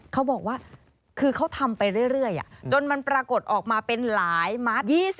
เขาบอกว่าคือเขาทำไปเรื่อยจนมันปรากฏออกมาเป็นหลายมาร์ท